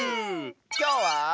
きょうは。